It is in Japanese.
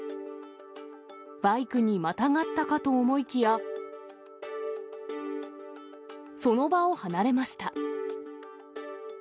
バイクにまたがったかと思いきや、その場を離れました。